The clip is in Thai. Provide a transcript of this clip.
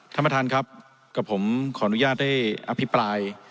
ท่านประธานครับกับผมขออนุญาตได้อภิปราย